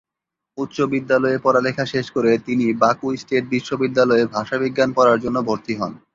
উচ্চ বিদ্যালয়ে পড়ালেখা শেষ করে তিনি বাকু স্টেট বিশ্ববিদ্যালয়ে ভাষাবিজ্ঞান পড়ার জন্য ভর্তি হন।